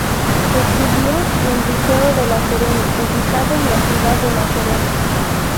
Estudió en el Liceo de La Serena, ubicado en la ciudad de La Serena.